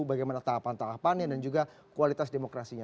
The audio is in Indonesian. bagaimana tahapan tahapannya dan juga kualitas demokrasinya